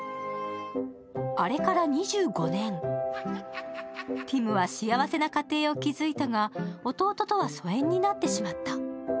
あれから２５年、ティムは幸せな家庭を築いたが弟は疎遠になってしまった。